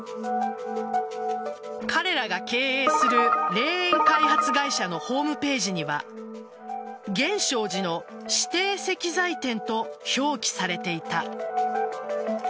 彼らが経営する霊園開発会社のホームページには源証寺の指定石材店と表記されていた。